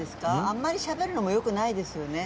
あんまりしゃべるのもよくないですよね？